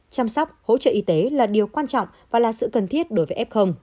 chăm sóc hỗ trợ y tế là điều quan trọng và là sự cần thiết đối với f